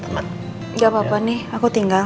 enggak apa apa nih aku tinggal